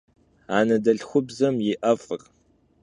Anedelhxubzem yi 'ef'ır